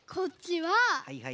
はいはい。